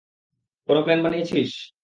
কোনো প্ল্যান বানিয়েছিস।